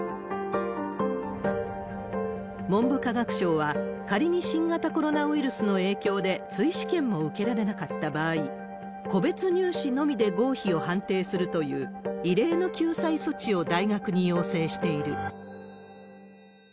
文部科学省は、仮に新型コロナウイルスの影響で追試験も受けられなかった場合、個別入試のみで合否を判定するという、異例の救済措置を大学に要請している。